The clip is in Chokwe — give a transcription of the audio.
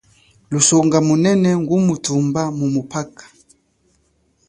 Lusonga munene ngumuthumba mumuphaka.